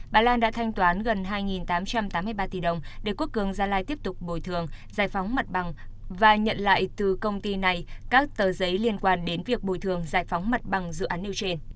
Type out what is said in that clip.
bà lan đã thanh toán gần hai tám trăm tám mươi ba tỷ đồng để quốc cường gia lai tiếp tục bồi thường giải phóng mặt bằng và nhận lại từ công ty này các tờ giấy liên quan đến việc bồi thường giải phóng mặt bằng dự án nêu trên